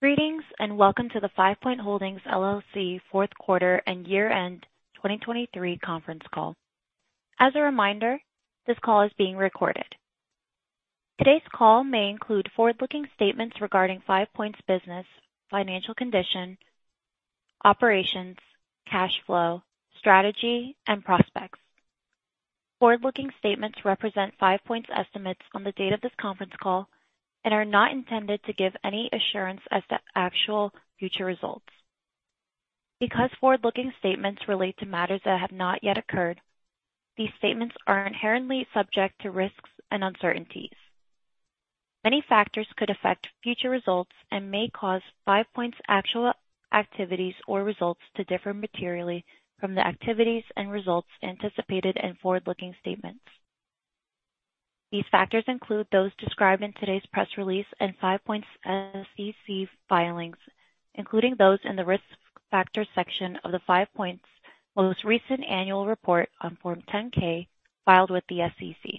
Greetings, and welcome to the Five Point Holdings, LLC Fourth Quarter and Year-End 2023 conference call. As a reminder, this call is being recorded. Today's call may include forward-looking statements regarding Five Point's business, financial condition, operations, cash flow, strategy, and prospects. Forward-looking statements represent Five Point's estimates on the date of this conference call and are not intended to give any assurance as to actual future results. Because forward-looking statements relate to matters that have not yet occurred, these statements are inherently subject to risks and uncertainties. Many factors could affect future results and may cause Five Point's actual activities or results to differ materially from the activities and results anticipated in forward-looking statements. These factors include those described in today's press release and Five Point's SEC filings, including those in the Risk Factors section of Five Point's most recent annual report on Form 10-K, filed with the SEC.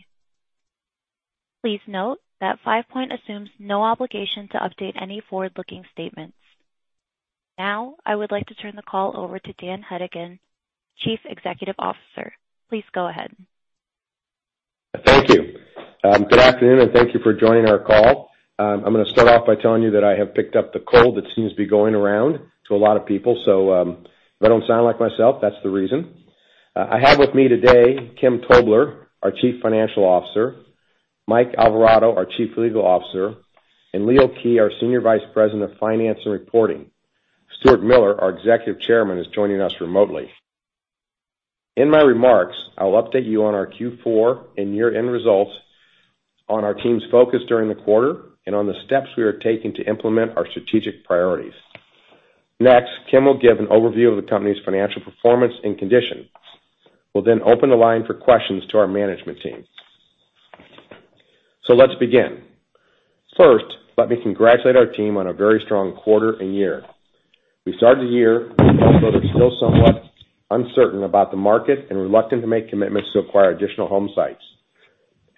Please note that Five Point assumes no obligation to update any forward-looking statements. Now, I would like to turn the call over to Dan Hedigan, Chief Executive Officer. Please go ahead. Thank you. Good afternoon, and thank you for joining our call. I'm gonna start off by telling you that I have picked up the cold that seems to be going around to a lot of people, so, if I don't sound like myself, that's the reason. I have with me today Kim Tobler, our Chief Financial Officer, Mike Alvarado, our Chief Legal Officer, and Leo Kij, our Senior Vice President of Finance and Reporting. Stuart Miller, our Executive Chairman, is joining us remotely. In my remarks, I will update you on our Q4 and year-end results, on our team's focus during the quarter, and on the steps we are taking to implement our strategic priorities. Next, Kim will give an overview of the company's financial performance and conditions. We'll then open the line for questions to our management team. So let's begin. First, let me congratulate our team on a very strong quarter and year. We started the year, although still somewhat uncertain about the market and reluctant to make commitments to acquire additional home sites.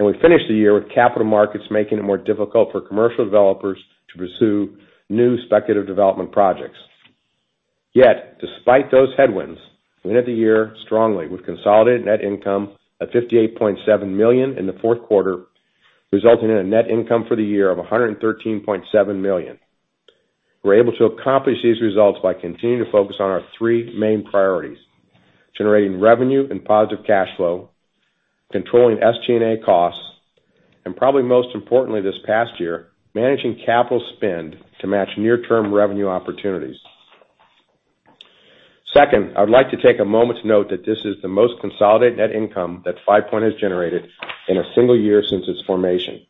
We finished the year with capital markets, making it more difficult for commercial developers to pursue new speculative development projects. Yet, despite those headwinds, we ended the year strongly with consolidated net income at $58.7 million in the fourth quarter, resulting in a net income for the year of $113.7 million. We were able to accomplish these results by continuing to focus on our three main priorities: generating revenue and positive cash flow, controlling SG&A costs, and probably most importantly, this past year, managing capital spend to match near-term revenue opportunities. Second, I'd like to take a moment to note that this is the most consolidated net income that FivePoint has generated in a single year since its formation.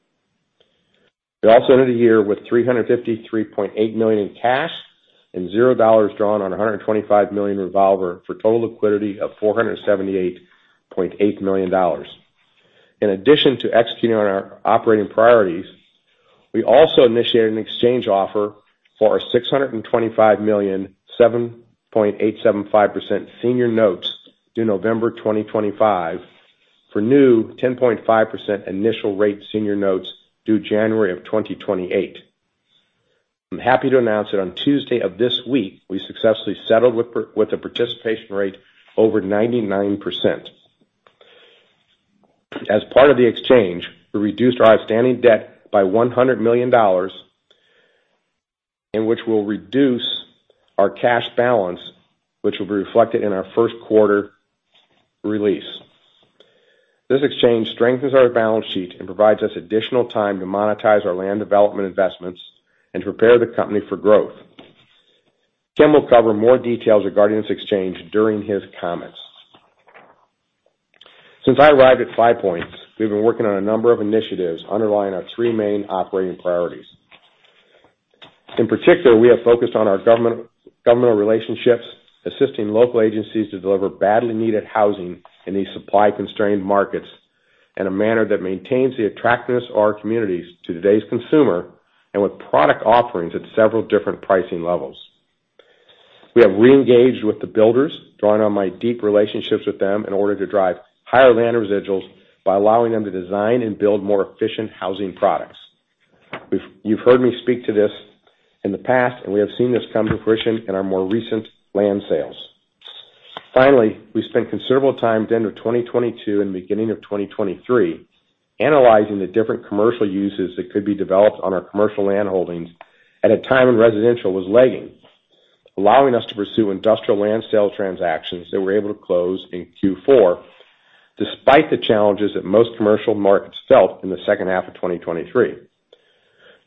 We also ended the year with $353.8 million in cash and $0 drawn on a $125 million revolver for total liquidity of $478.8 million. In addition to executing on our operating priorities, we also initiated an exchange offer for our $625 million, 7.875% senior notes due November 2025, for new 10.5% initial rate senior notes due January 2028. I'm happy to announce that on Tuesday of this week, we successfully settled with a participation rate over 99%. As part of the exchange, we reduced our outstanding debt by $100 million, which will reduce our cash balance, which will be reflected in our first quarter release. This exchange strengthens our balance sheet and provides us additional time to monetize our land development investments and prepare the company for growth. Kim will cover more details regarding this exchange during his comments. Since I arrived at Five Point, we've been working on a number of initiatives underlying our three main operating priorities. In particular, we have focused on our governmental relationships, assisting local agencies to deliver badly needed housing in these supply-constrained markets, in a manner that maintains the attractiveness of our communities to today's consumer, and with product offerings at several different pricing levels. We have reengaged with the builders, drawing on my deep relationships with them in order to drive higher land residuals by allowing them to design and build more efficient housing products. We've. You've heard me speak to this in the past, and we have seen this come to fruition in our more recent land sales. Finally, we spent considerable time at the end of 2022 and beginning of 2023, analyzing the different commercial uses that could be developed on our commercial land holdings at a time when residential was lagging, allowing us to pursue industrial land sale transactions that we were able to close in Q4, despite the challenges that most commercial markets felt in the second half of 2023.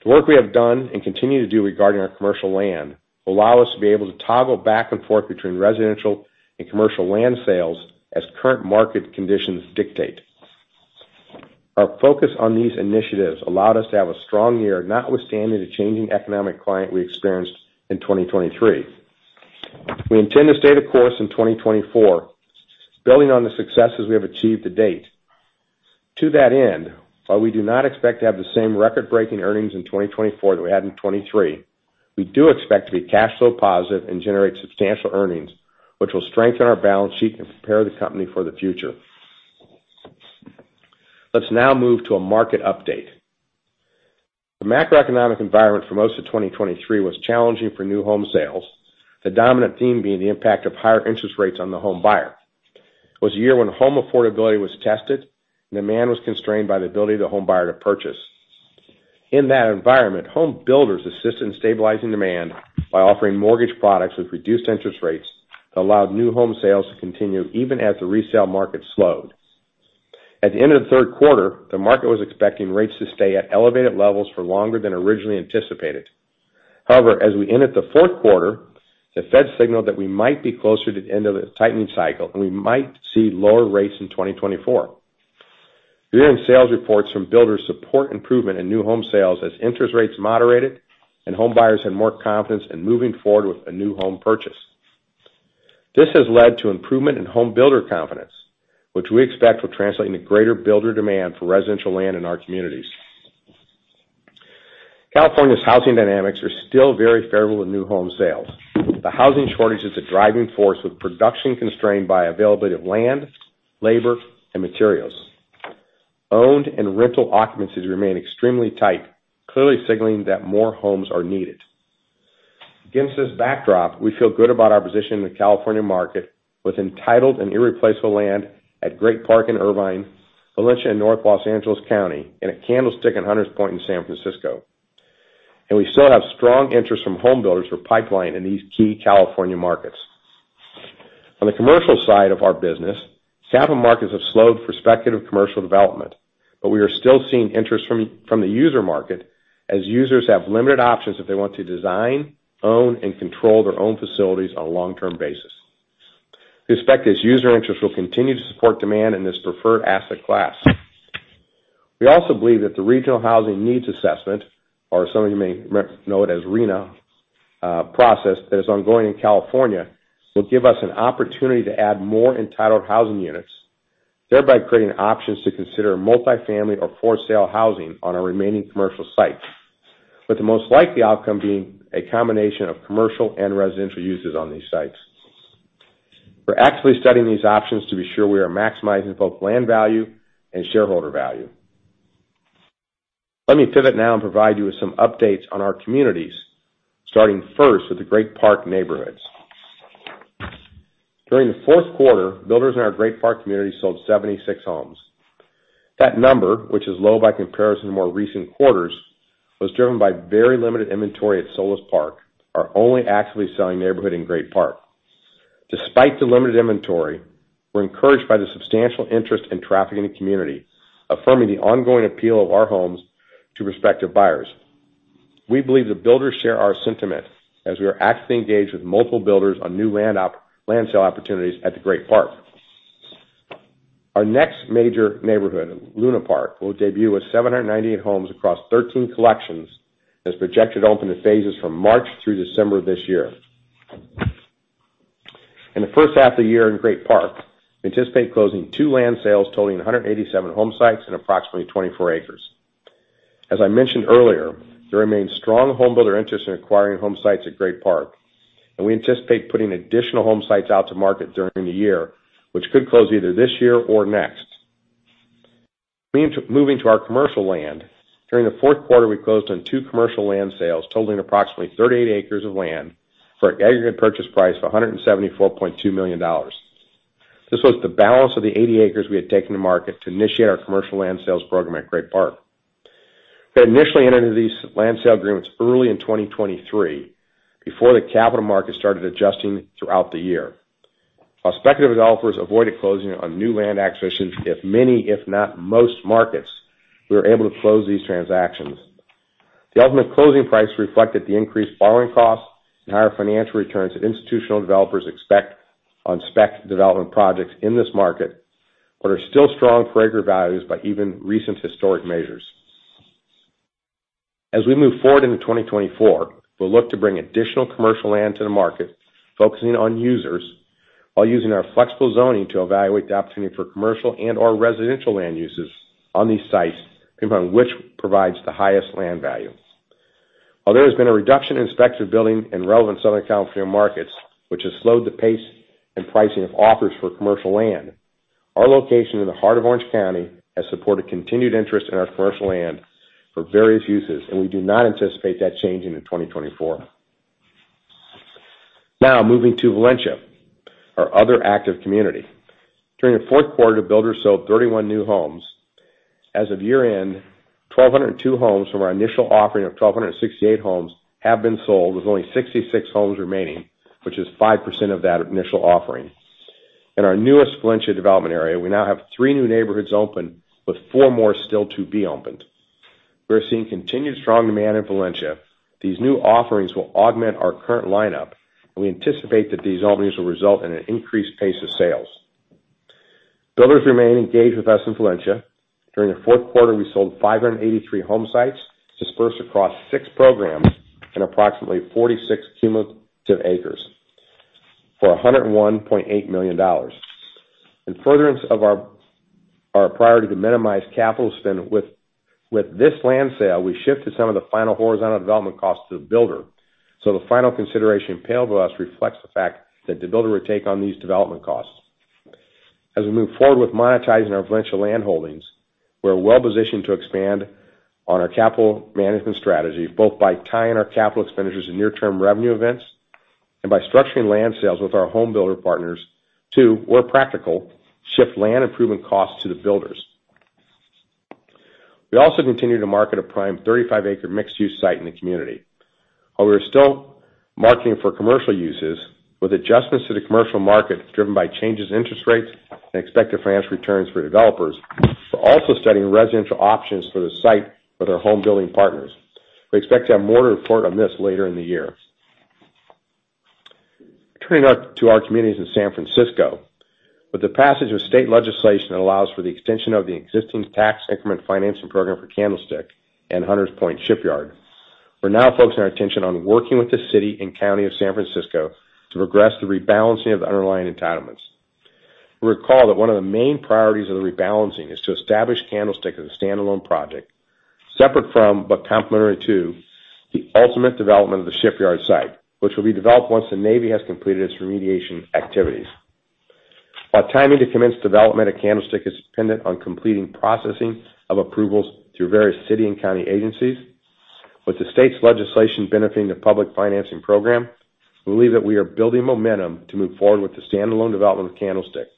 The work we have done and continue to do regarding our commercial land, will allow us to be able to toggle back and forth between residential and commercial land sales as current market conditions dictate. Our focus on these initiatives allowed us to have a strong year, notwithstanding the changing economic climate we experienced in 2023. We intend to stay the course in 2024, building on the successes we have achieved to date. To that end, while we do not expect to have the same record-breaking earnings in 2024 that we had in 2023, we do expect to be cash flow positive and generate substantial earnings, which will strengthen our balance sheet and prepare the company for the future.... Let's now move to a market update. The macroeconomic environment for most of 2023 was challenging for new home sales, the dominant theme being the impact of higher interest rates on the home buyer. It was a year when home affordability was tested, and demand was constrained by the ability of the home buyer to purchase. In that environment, home builders assisted in stabilizing demand by offering mortgage products with reduced interest rates that allowed new home sales to continue even as the resale market slowed. At the end of the third quarter, the market was expecting rates to stay at elevated levels for longer than originally anticipated. However, as we entered the fourth quarter, the Fed signaled that we might be closer to the end of the tightening cycle, and we might see lower rates in 2024. Year-end sales reports from builders support improvement in new home sales as interest rates moderated and home buyers had more confidence in moving forward with a new home purchase. This has led to improvement in home builder confidence, which we expect will translate into greater builder demand for residential land in our communities. California's housing dynamics are still very favorable to new home sales. The housing shortage is a driving force, with production constrained by availability of land, labor, and materials. Owned and rental occupancies remain extremely tight, clearly signaling that more homes are needed. Against this backdrop, we feel good about our position in the California market, with entitled and irreplaceable land at Great Park in Irvine, Valencia, and North Los Angeles County, and a Candlestick and Hunters Point in San Francisco. We still have strong interest from home builders for pipeline in these key California markets. On the commercial side of our business, capital markets have slowed for speculative commercial development, but we are still seeing interest from the user market as users have limited options if they want to design, own, and control their own facilities on a long-term basis. We expect this user interest will continue to support demand in this preferred asset class. We also believe that the Regional Housing Needs Assessment, or some of you may recognize it as RHNA, process that is ongoing in California, will give us an opportunity to add more entitled housing units, thereby creating options to consider multifamily or for-sale housing on our remaining commercial sites, with the most likely outcome being a combination of commercial and residential uses on these sites. We're actively studying these options to be sure we are maximizing both land value and shareholder value. Let me pivot now and provide you with some updates on our communities, starting first with the Great Park Neighborhoods. During the fourth quarter, builders in our Great Park Neighborhoods community sold 76 homes. That number, which is low by comparison to more recent quarters, was driven by very limited inventory at Solis Park, our only actively selling neighborhood in Great Park Neighborhoods. Despite the limited inventory, we're encouraged by the substantial interest in traffic in the community, affirming the ongoing appeal of our homes to prospective buyers. We believe the builders share our sentiment as we are actively engaged with multiple builders on new land sale opportunities at the Great Park Neighborhoods. Our next major neighborhood, Luna Park, will debut with 798 homes across 13 collections, and is projected to open in phases from March through December this year. In the first half of the year in Great Park, we anticipate closing two land sales totaling 187 home sites and approximately 24 acres. As I mentioned earlier, there remains strong home builder interest in acquiring home sites at Great Park, and we anticipate putting additional home sites out to market during the year, which could close either this year or next. Moving to our commercial land, during the fourth quarter, we closed on two commercial land sales totaling approximately 38 acres of land for an aggregate purchase price of $174.2 million. This was the balance of the 80 acres we had taken to market to initiate our commercial land sales program at Great Park. We initially entered into these land sale agreements early in 2023, before the capital markets started adjusting throughout the year. While speculative developers avoided closing on new land acquisitions, in many, if not most, markets, we were able to close these transactions. The ultimate closing price reflected the increased borrowing costs and higher financial returns that institutional developers expect on spec development projects in this market, but are still strong for acre values by even recent historic measures. As we move forward into 2024, we'll look to bring additional commercial land to the market, focusing on users while using our flexible zoning to evaluate the opportunity for commercial and/or residential land uses on these sites, depending on which provides the highest land value. While there has been a reduction in speculative building in relevant Southern California markets, which has slowed the pace and pricing of offers for commercial land, our location in the heart of Orange County has supported continued interest in our commercial land for various uses, and we do not anticipate that changing in 2024. Now, moving to Valencia, our other active community. During the fourth quarter, the builders sold 31 new homes. As of year-end, 1,202 homes from our initial offering of 1,268 homes have been sold, with only 66 homes remaining, which is 5% of that initial offering. In our newest Valencia development area, we now have three new neighborhoods open, with four more still to be opened. We are seeing continued strong demand in Valencia. These new offerings will augment our current lineup, and we anticipate that these openings will result in an increased pace of sales. Builders remain engaged with us in Valencia. During the fourth quarter, we sold 583 home sites dispersed across six programs and approximately 46 cumulative acres for $101.8 million. In furtherance of our priority to minimize capital spend with this land sale, we shifted some of the final horizontal development costs to the builder, so the final consideration paid to us reflects the fact that the builder would take on these development costs. As we move forward with monetizing our Valencia land holdings, we're well positioned to expand on our capital management strategy, both by tying our capital expenditures and near-term revenue events, and by structuring land sales with our home builder partners to, where practical, shift land improvement costs to the builders. We also continue to market a prime 35-acre mixed-use site in the community. While we are still marketing for commercial uses, with adjustments to the commercial market driven by changes in interest rates and expected financial returns for developers, we're also studying residential options for the site with our home building partners. We expect to have more to report on this later in the year. Turning to our communities in San Francisco. With the passage of state legislation that allows for the extension of the existing tax increment financing program for Candlestick and Hunters Point Shipyard, we're now focusing our attention on working with the city and county of San Francisco to progress the rebalancing of the underlying entitlements. We recall that one of the main priorities of the rebalancing is to establish Candlestick as a standalone project, separate from, but complementary to, the ultimate development of the shipyard site, which will be developed once the Navy has completed its remediation activities. While timing to commence development at Candlestick is dependent on completing processing of approvals through various city and county agencies, with the state's legislation benefiting the public financing program, we believe that we are building momentum to move forward with the standalone development of Candlestick.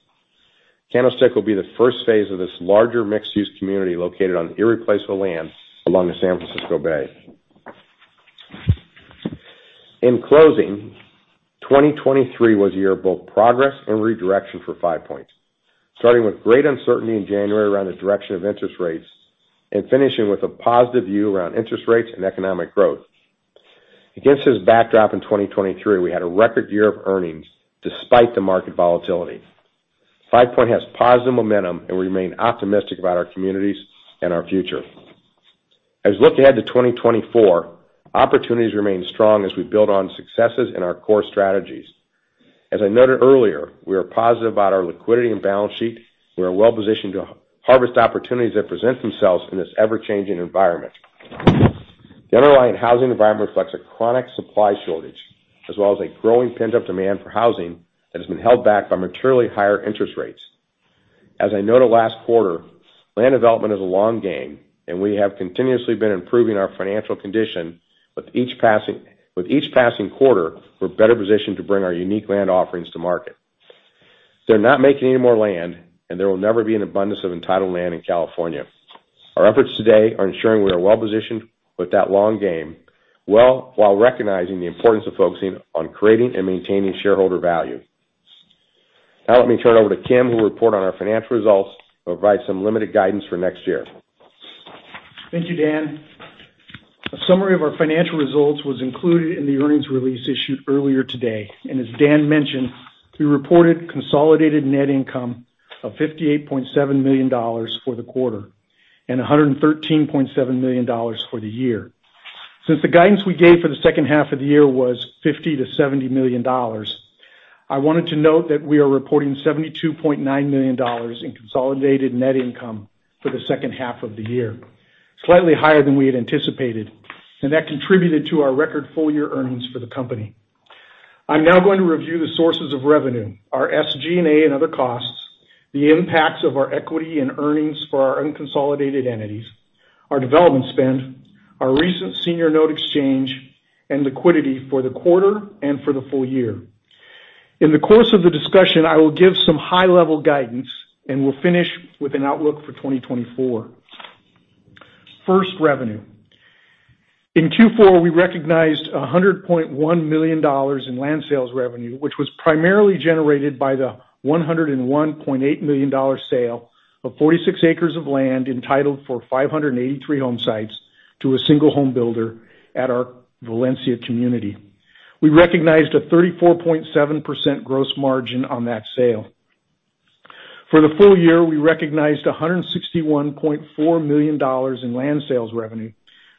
Candlestick will be the first phase of this larger mixed-use community located on irreplaceable land along the San Francisco Bay. In closing, 2023 was a year of both progress and redirection for Five Point. Starting with great uncertainty in January around the direction of interest rates, and finishing with a positive view around interest rates and economic growth. Against this backdrop in 2023, we had a record year of earnings despite the market volatility. Five Point has positive momentum, and we remain optimistic about our communities and our future. As we look ahead to 2024, opportunities remain strong as we build on successes in our core strategies. As I noted earlier, we are positive about our liquidity and balance sheet. We are well positioned to harvest opportunities that present themselves in this ever-changing environment. The underlying housing environment reflects a chronic supply shortage, as well as a growing pent-up demand for housing that has been held back by materially higher interest rates. As I noted last quarter, land development is a long game, and we have continuously been improving our financial condition. With each passing quarter, we're better positioned to bring our unique land offerings to market. They're not making any more land, and there will never be an abundance of entitled land in California. Our efforts today are ensuring we are well positioned with that long game, well, while recognizing the importance of focusing on creating and maintaining shareholder value. Now, let me turn it over to Kim, who will report on our financial results and provide some limited guidance for next year. Thank you, Dan. A summary of our financial results was included in the earnings release issued earlier today, and as Dan mentioned, we reported consolidated net income of $58.7 million for the quarter and $113.7 million for the year. Since the guidance we gave for the second half of the year was $50 to $70 million, I wanted to note that we are reporting $72.9 million in consolidated net income for the second half of the year, slightly higher than we had anticipated, and that contributed to our record full-year earnings for the company. I'm now going to review the sources of revenue, our SG&A and other costs, the impacts of our equity and earnings for our unconsolidated entities, our development spend, our recent senior note exchange, and liquidity for the quarter and for the full year. In the course of the discussion, I will give some high-level guidance, and we'll finish with an outlook for 2024. First, revenue. In Q4, we recognized $100.1 million in land sales revenue, which was primarily generated by the $101.8 million sale of 46 acres of land, entitled for 583 home sites to a single home builder at our Valencia community. We recognized a 34.7% gross margin on that sale. For the full year, we recognized $161.4 million in land sales revenue,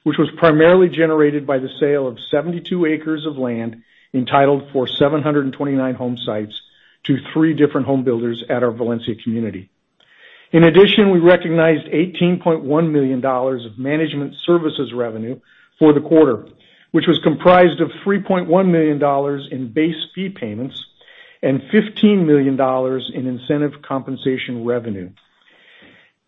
which was primarily generated by the sale of 72 acres of land, entitled for 729 home sites to three different home builders at our Valencia community. In addition, we recognized $18.1 million of management services revenue for the quarter, which was comprised of $3.1 million in base fee payments and $15 million in incentive compensation revenue.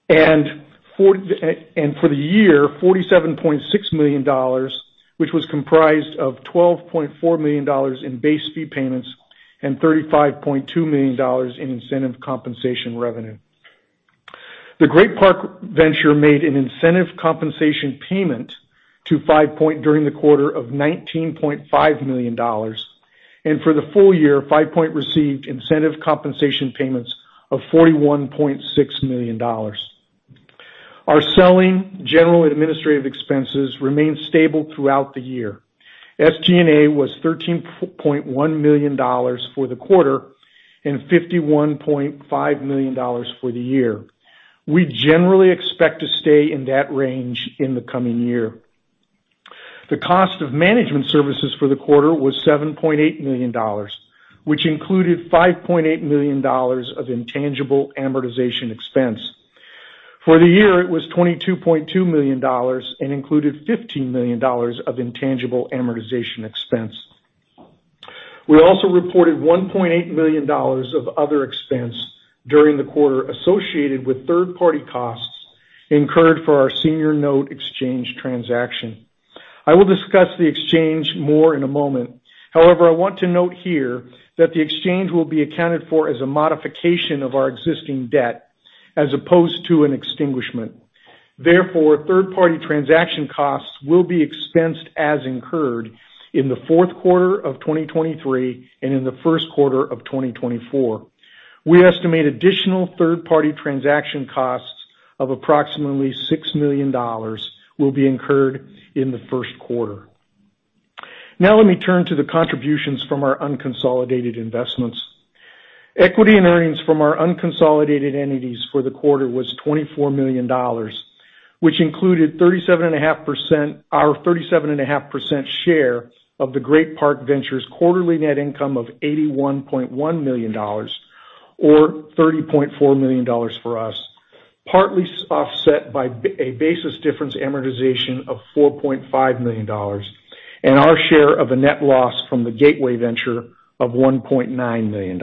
And for the year, $47.6 million, which was comprised of $12.4 million in base fee payments and $35.2 million in incentive compensation revenue. The Great Park Venture made an incentive compensation payment to Five Point during the quarter of $19.5 million, and for the full year, Five Point received incentive compensation payments of $41.6 million. Our selling, general, and administrative expenses remained stable throughout the year. SG&A was $13.1 million for the quarter and $51.5 million for the year. We generally expect to stay in that range in the coming year. The cost of management services for the quarter was $7.8 million, which included $5.8 million of intangible amortization expense. For the year, it was $22.2 million and included $15 million of intangible amortization expense. We also reported $1.8 million of other expense during the quarter associated with third-party costs incurred for our senior note exchange transaction. I will discuss the exchange more in a moment. However, I want to note here that the exchange will be accounted for as a modification of our existing debt, as opposed to an extinguishment. Therefore, third-party transaction costs will be expensed as incurred in the fourth quarter of 2023 and in the first quarter of 2024. We estimate additional third-party transaction costs of approximately $6 million will be incurred in the first quarter. Now let me turn to the contributions from our unconsolidated investments. Equity and earnings from our unconsolidated entities for the quarter was $24 million, which included 37.5%—our 37.5% share of the Great Park Venture's quarterly net income of $81.1 million, or $30.4 million for us, partly offset by a basis difference amortization of $4.5 million, and our share of a net loss from the Gateway Venture of $1.9 million.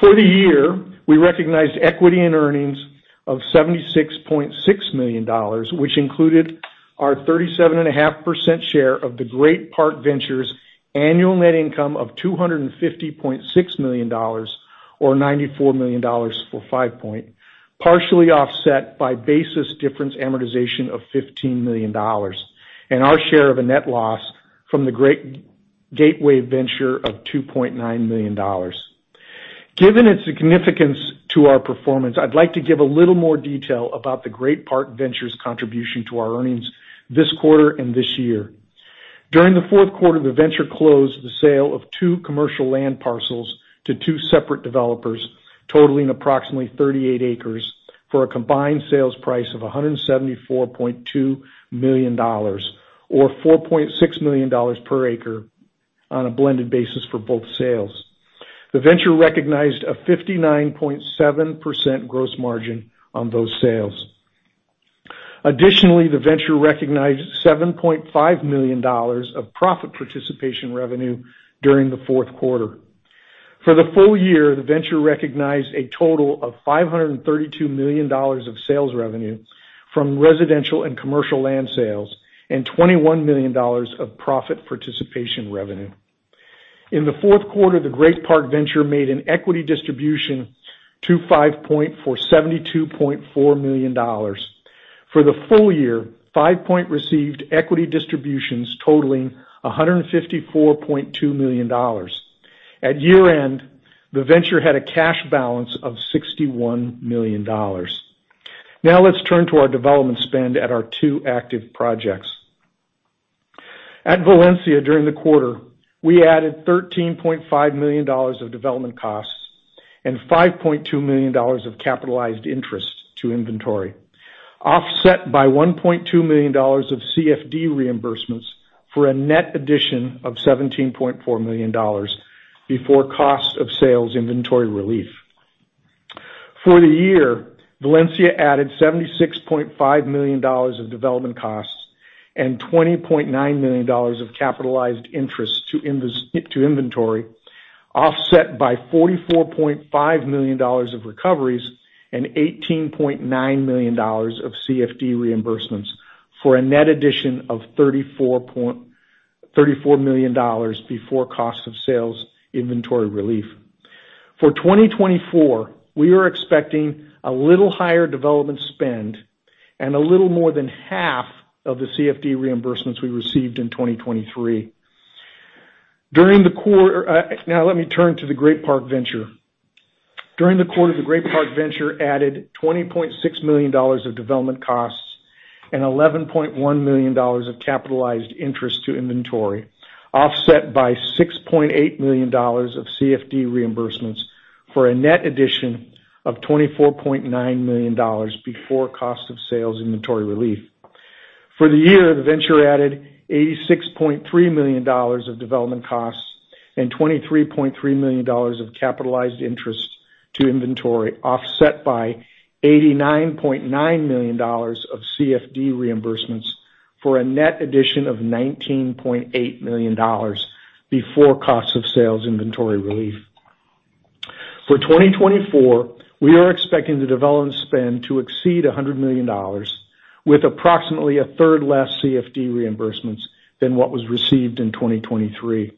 For the year, we recognized equity and earnings of $76.6 million, which included our 37.5% share of the Great Park Venture's annual net income of $250.6 million, or $94 million for Five Point, partially offset by basis difference amortization of $15 million, and our share of a net loss from the Gateway Commercial Venture of $2.9 million. Given its significance to our performance, I'd like to give a little more detail about the Great Park Venture's contribution to our earnings this quarter and this year. During the fourth quarter, the venture closed the sale of two commercial land parcels to two separate developers, totaling approximately 38 acres for a combined sales price of $174.2 million, or $4.6 million per acre on a blended basis for both sales. The venture recognized a 59.7% gross margin on those sales. Additionally, the venture recognized $7.5 million of profit participation revenue during the fourth quarter. For the full year, the venture recognized a total of $532 million of sales revenue from residential and commercial land sales, and $21 million of profit participation revenue. In the fourth quarter, the Great Park Venture made an equity distribution to Five Point for $72.4 million. For the full year, Five Point received equity distributions totaling $154.2 million. At year-end, the venture had a cash balance of $61 million. Now, let's turn to our development spend at our two active projects. At Valencia, during the quarter, we added $13.5 million of development costs and $5.2 million of capitalized interest to inventory, offset by $1.2 million of CFD reimbursements for a net addition of $17.4 million before cost of sales inventory relief. For the year, Valencia added $76.5 million of development costs and $20.9 million of capitalized interest to inventory, offset by $44.5 million of recoveries and $18.9 million of CFD reimbursements, for a net addition of $34 million before cost of sales inventory relief. For 2024, we are expecting a little higher development spend and a little more than half of the CFD reimbursements we received in 2023. During the quarter, Now, let me turn to the Great Park Venture. During the quarter, the Great Park Venture added $20.6 million of development costs and $11.1 million of capitalized interest to inventory, offset by $6.8 million of CFD reimbursements, for a net addition of $24.9 million before cost of sales inventory relief. For the year, the venture added $86.3 million of development costs and $23.3 million of capitalized interest to inventory, offset by $89.9 million of CFD reimbursements, for a net addition of $19.8 million before cost of sales inventory relief. For 2024, we are expecting the development spend to exceed $100 million, with approximately a third less CFD reimbursements than what was received in 2023.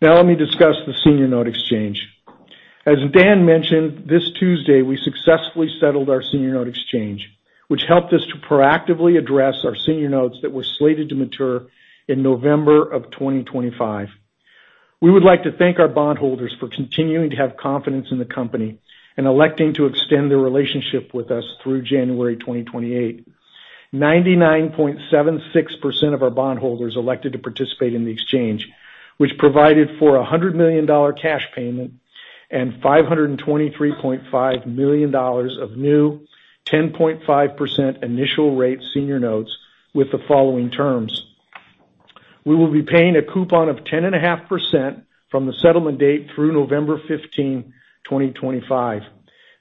Now, let me discuss the senior note exchange. As Dan mentioned, this Tuesday, we successfully settled our senior note exchange, which helped us to proactively address our senior notes that were slated to mature in November 2025. We would like to thank our bondholders for continuing to have confidence in the company and electing to extend their relationship with us through January 2028. 99.76% of our bondholders elected to participate in the exchange, which provided for a $100 million cash payment... and $523.5 million of new 10.5% initial rate senior notes with the following terms: We will be paying a coupon of 10.5% from the settlement date through November 15, 2025.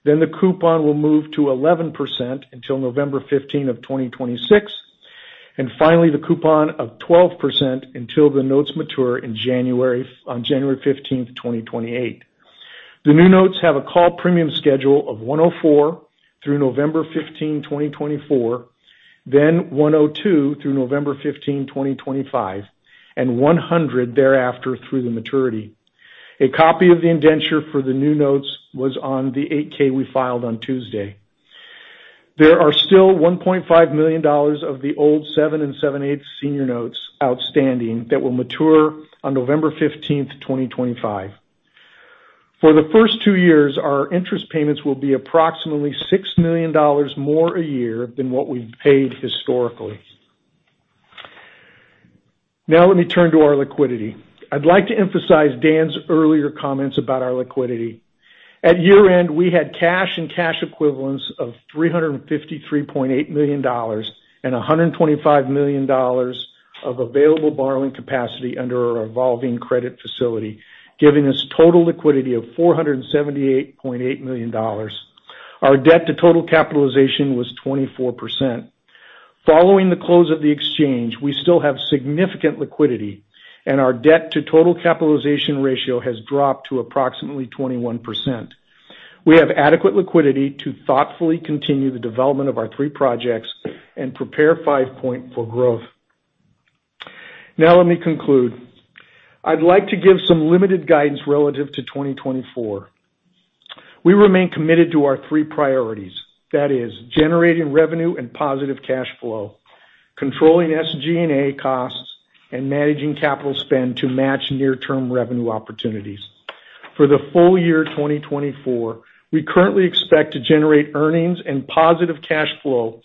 Then the coupon will move to 11% until November 15, 2026, and finally, the coupon of 12% until the notes mature in January, on January 15, 2028. The new notes have a call premium schedule of 104 through November 15, 2024, then 102 through November 15, 2025, and 100 thereafter through the maturity. A copy of the indenture for the new notes was on the 8-K we filed on Tuesday. There are still $1.5 million of the old 7 7/8 senior notes outstanding that will mature on November 15, 2025. For the first two years, our interest payments will be approximately $6 million more a year than what we've paid historically. Now let me turn to our liquidity. I'd like to emphasize Dan's earlier comments about our liquidity. At year-end, we had cash and cash equivalents of $353.8 million and $125 million of available borrowing capacity under our revolving credit facility, giving us total liquidity of $478.8 million. Our debt to total capitalization was 24%. Following the close of the exchange, we still have significant liquidity, and our debt to total capitalization ratio has dropped to approximately 21%. We have adequate liquidity to thoughtfully continue the development of our three projects and prepare Five Point for growth. Now, let me conclude. I'd like to give some limited guidance relative to 2024. We remain committed to our three priorities. That is, generating revenue and positive cash flow, controlling SG&A costs, and managing capital spend to match near-term revenue opportunities. For the full year, 2024, we currently expect to generate earnings and positive cash flow.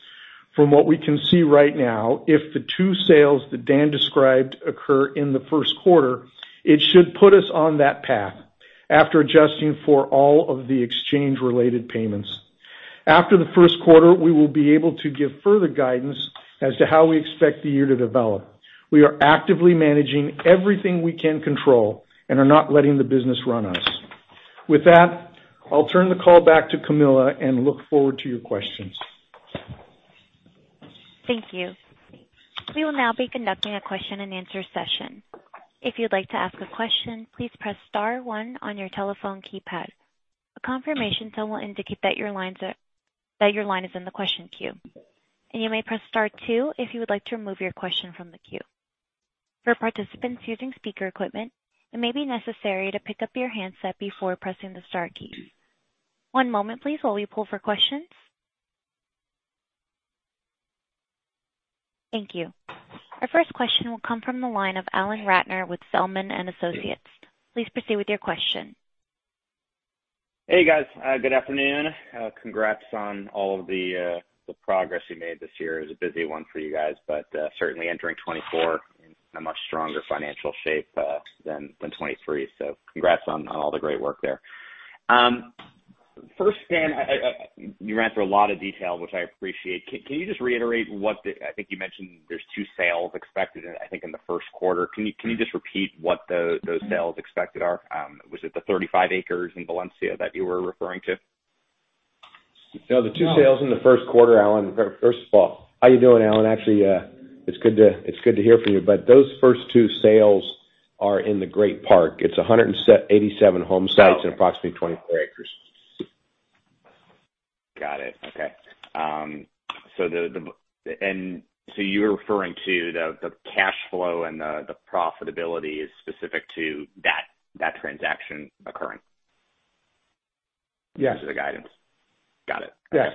From what we can see right now, if the two sales that Dan described occur in the first quarter, it should put us on that path after adjusting for all of the exchange-related payments. After the first quarter, we will be able to give further guidance as to how we expect the year to develop. We are actively managing everything we can control and are not letting the business run us. With that, I'll turn the call back to Camille and look forward to your questions. Thank you. We will now be conducting a question-and-answer session. If you'd like to ask a question, please press star one on your telephone keypad. A confirmation tone will indicate that your line is in the question queue, and you may press star two if you would like to remove your question from the queue. For participants using speaker equipment, it may be necessary to pick up your handset before pressing the star key. One moment, please, while we pull for questions. Thank you. Our first question will come from the line of Alan Ratner with Zelman & Associates. Please proceed with your question. Hey, guys, good afternoon. Congrats on all of the, the progress you made this year. It was a busy one for you guys, but certainly entering 2024 in a much stronger financial shape, than twenty-three. So congrats on all the great work there. First, Dan, you ran through a lot of detail, which I appreciate. Can you just reiterate what the... I think you mentioned there's two sales expected, I think, in the first quarter. Can you just repeat what those sales expected are? Was it the 35 acres in Valencia that you were referring to? No, the two sales in the first quarter, Alan, first of all, how you doing, Alan? Actually, it's good to, it's good to hear from you. But those first two sales are in the Great Park. It's 187 home sites and approximately 24 acres. Got it. Okay. So you're referring to the cash flow and the profitability is specific to that transaction occurring? Yes. The guidance. Got it. Yes.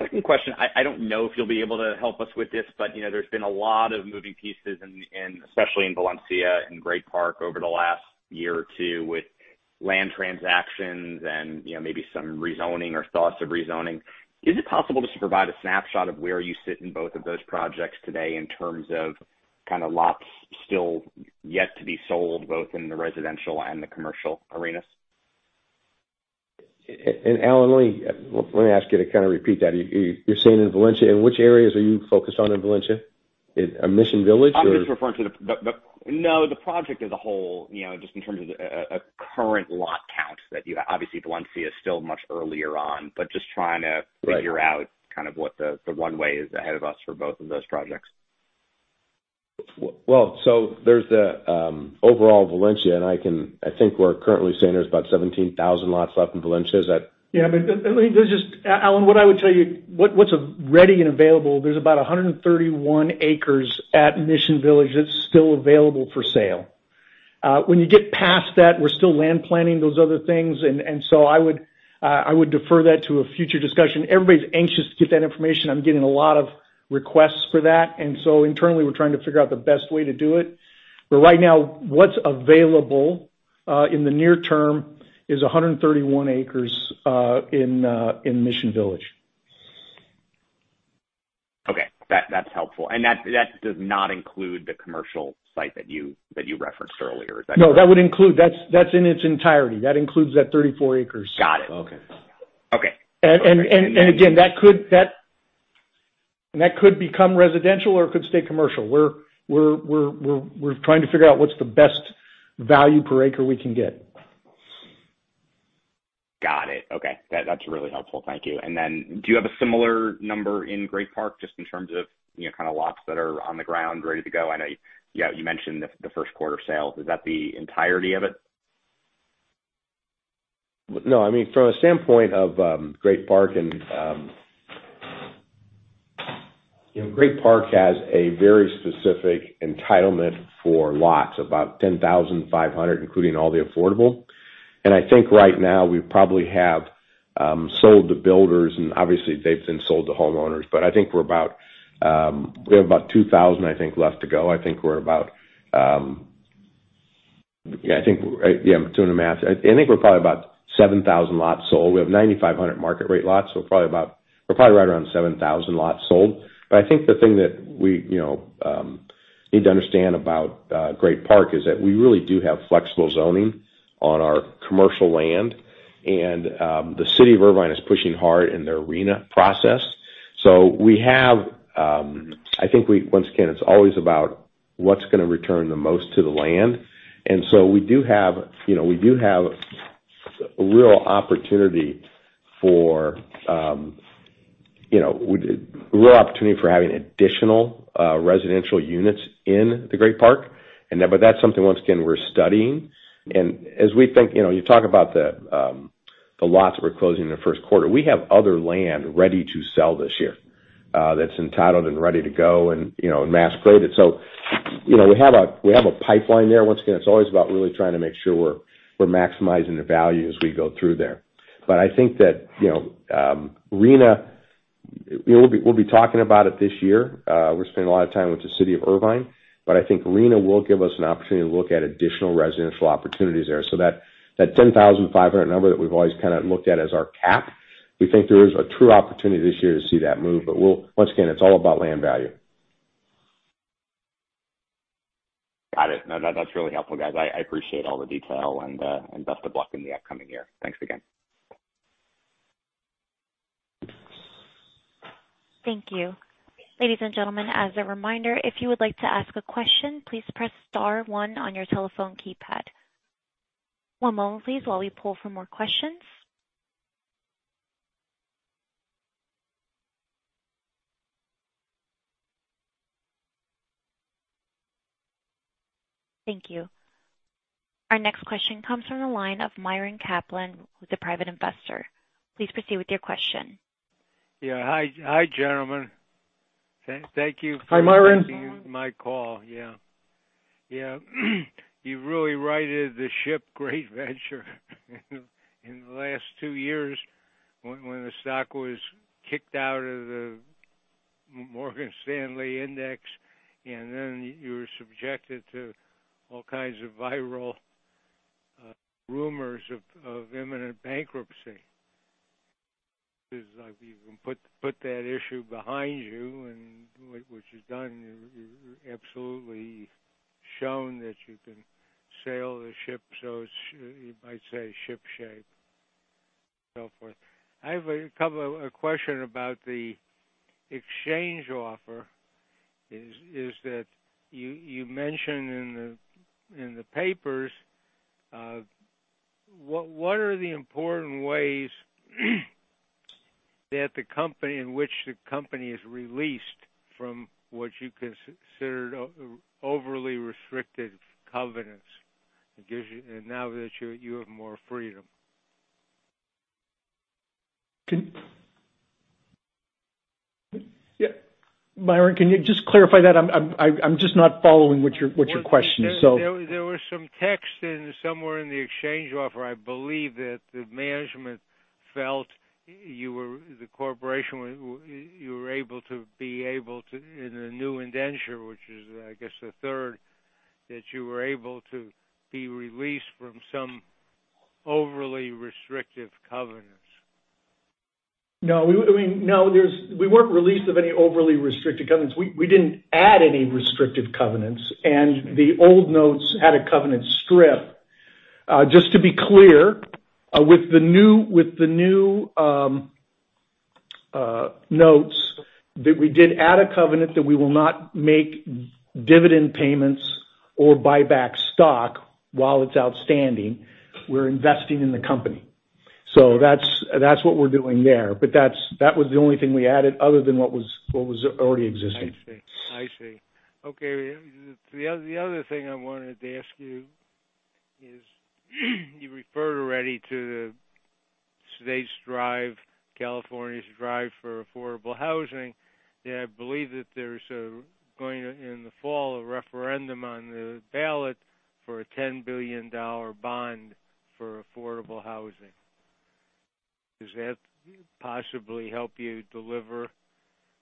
Second question. I don't know if you'll be able to help us with this, but, you know, there's been a lot of moving pieces in, especially in Valencia and Great Park over the last year or two with land transactions and, you know, maybe some rezoning or thoughts of rezoning. Is it possible just to provide a snapshot of where you sit in both of those projects today in terms of kind of lots still yet to be sold, both in the residential and the commercial arenas? Alan, let me, let me ask you to kind of repeat that. You, you're saying in Valencia, in which areas are you focused on in Valencia? In, Mission Village, or? I'm just referring to. No, the project as a whole, you know, just in terms of a current lot count that you-- obviously, Valencia is still much earlier on, but just trying to- Right. Figure out kind of what the one way is ahead of us for both of those projects. Well, so there's the overall Valencia, and I think we're currently saying there's about 17,000 lots left in Valencia. Is that? Yeah, but let me just. Alan, what I would tell you, what's already available, there's about 131 acres at Mission Village that's still available for sale. When you get past that, we're still land planning those other things, and so I would defer that to a future discussion. Everybody's anxious to get that information. I'm getting a lot of requests for that, and so internally, we're trying to figure out the best way to do it. But right now, what's available in the near term is 131 acres in Mission Village. That's helpful. And that does not include the commercial site that you referenced earlier, is that correct? No, that would include. That's, that's in its entirety. That includes that 34 acres. Got it. Okay. Okay. And again, that could become residential or it could stay commercial. We're trying to figure out what's the best value per acre we can get. Got it. Okay. That's really helpful. Thank you. And then do you have a similar number in Great Park, just in terms of, you know, kind of lots that are on the ground ready to go? I know you mentioned the first quarter sales. Is that the entirety of it? No, I mean, from a standpoint of, Great Park and, you know, Great Park has a very specific entitlement for lots, about 10,500, including all the affordable. And I think right now, we probably have, sold to builders, and obviously they've then sold to homeowners. But I think we're about, we have about 2,000, I think, left to go. I think we're about, yeah, I think, yeah, doing the math, I think we're probably about 7,000 lots sold. We have 9,500 market rate lots, so probably about, we're probably right around 7,000 lots sold. But I think the thing that we, you know, need to understand about, Great Park, is that we really do have flexible zoning on our commercial land, and, the City of Irvine is pushing hard in their RHNA process. So we have. Once again, it's always about what's gonna return the most to the land. And so we do have, you know, we do have a real opportunity for, you know, a real opportunity for having additional residential units in the Great Park. And then, but that's something once again, we're studying. And as we think, you know, you talk about the, the lots we're closing in the first quarter, we have other land ready to sell this year, that's entitled and ready to go and, you know, and mass graded. So, you know, we have a, we have a pipeline there. Once again, it's always about really trying to make sure we're, we're maximizing the value as we go through there. But I think that, you know, RHNA, we'll be, we'll be talking about it this year. We're spending a lot of time with the city of Irvine, but I think RHNA will give us an opportunity to look at additional residential opportunities there. So that, that 10,500 number that we've always kind of looked at as our cap, we think there is a true opportunity this year to see that move. But we'll. Once again, it's all about land value. Got it. No, that, that's really helpful, guys. I, I appreciate all the detail and, and best of luck in the upcoming year. Thanks again. Thank you. Ladies and gentlemen, as a reminder, if you would like to ask a question, please press star one on your Telephone Keypad. One moment please, while we pull for more questions. Thank you. Our next question comes from the line of Myron Kaplan, with the Private Investor. Please proceed with your question. Yeah. Hi, hi, gentlemen. Thank you- Hi, Myron. My call, yeah. Yeah, you really righted the ship, Great Park Venture, in the last two years, when the stock was kicked out of the Morgan Stanley index, and then you were subjected to all kinds of viral rumors of imminent bankruptcy. Because you've put that issue behind you, and which is done, you absolutely shown that you can sail the ship, so you might say, ship shape, so forth. I have a couple of questions about the exchange offer. You mentioned in the papers what are the important ways that the company, in which the company is released from what you considered overly restricted covenants? It gives you, and now that you have more freedom. Yeah, Myron, can you just clarify that? I'm just not following what your question is, so. There was some text somewhere in the exchange offer, I believe, that the management felt you were, the corporation, you were able to be able to in the new indenture, which is, I guess, the third, that you were able to be released from some overly restrictive covenants. No, I mean, no, there's, we weren't relieved of any overly restrictive covenants. We didn't add any restrictive covenants, and the old notes had a covenant strip. Just to be clear, with the new notes, that we did add a covenant that we will not make dividend payments or buy back stock while it's outstanding, we're investing in the company. So that's what we're doing there. But that was the only thing we added other than what was already existing. I see. I see. Okay. The other, the other thing I wanted to ask you is, you referred already to the state's drive, California's drive for affordable housing. And I believe that there's a, going in the fall, a referendum on the ballot for a $10 billion bond for affordable housing. Does that possibly help you deliver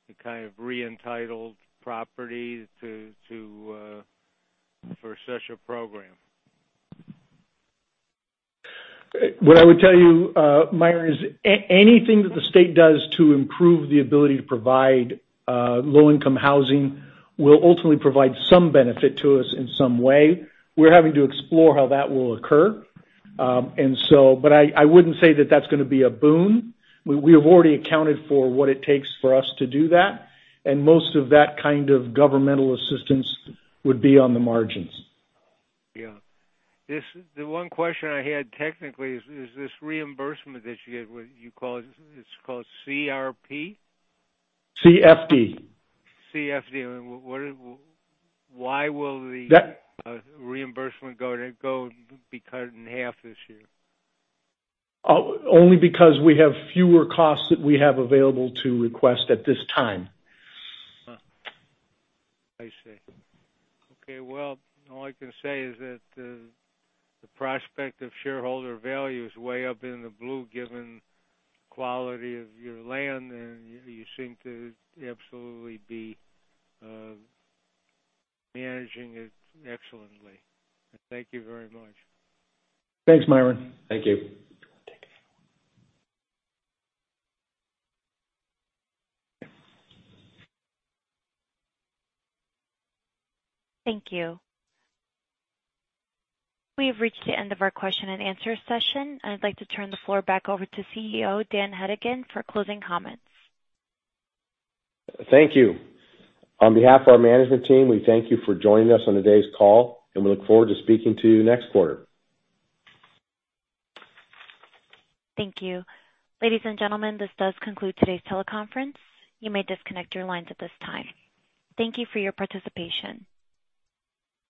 the kind of re-entitled property to, to, for such a program? ...What I would tell you, Myron, is anything that the state does to improve the ability to provide low-income housing will ultimately provide some benefit to us in some way. We're having to explore how that will occur. And so but I wouldn't say that that's gonna be a boon. We have already accounted for what it takes for us to do that, and most of that kind of governmental assistance would be on the margins. Yeah. This, the one question I had technically is, is this reimbursement that you get, what you call it? It's called CRP? CFD. CFD, why will the- Yeah. Reimbursement going to be cut in half this year? Only because we have fewer costs that we have available to request at this time. I see. Okay, well, all I can say is that, the prospect of shareholder value is way up in the blue, given quality of your land, and you seem to absolutely be, managing it excellently. Thank you very much. Thanks, Myron. Thank you. Thank you. We have reached the end of our question-and-answer session. I'd like to turn the floor back over to Chief Executive Officer, Dan Hedigan, for closing comments. Thank you. On behalf of our management team, we thank you for joining us on today's call, and we look forward to speaking to you next quarter. Thank you. Ladies and gentlemen, this does conclude today's teleconference. You may disconnect your lines at this time. Thank you for your participation.